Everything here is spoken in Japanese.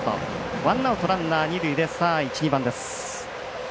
ワンアウト、ランナー、二塁で１、２番です。